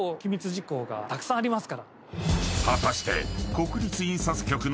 ［果たして］